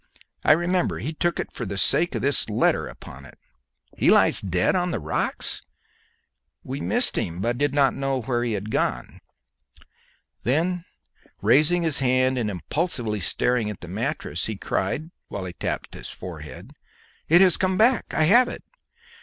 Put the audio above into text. I remember; he took it for the sake of this letter upon it. He lies dead on the rocks? We missed him, but did not know where he had gone." Then, raising his hand and impulsively starting upon the mattress, he cried, whilst he tapped his forehead, "It has come back! I have it!